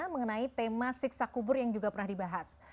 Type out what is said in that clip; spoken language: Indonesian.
mengenai tema siksa kubur yang juga pernah dibahas